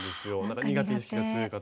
苦手意識が強い方。